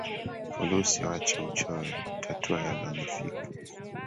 Fulusi wacha uchoyo, tatua yalonifika,